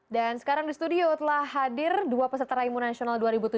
sekarang di studio telah hadir dua peserta raimu nasional dua ribu tujuh belas